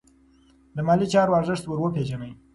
د مالي چارو ارزښت ور وپیژنئ.